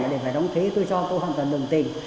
để phải đóng thế tôi cho tôi hoàn toàn đồng tình